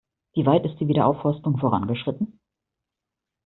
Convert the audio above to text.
Wie weit ist die Wiederaufforstung vorangeschritten?